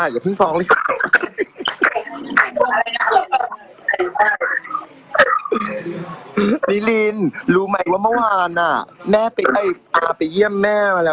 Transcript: น้องน้องน้องน้องน้องน้องน้องน้องน้อง